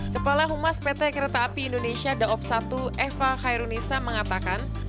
kepala humas pt kereta api indonesia daob satu eva khairunisa mengatakan